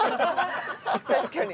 確かに。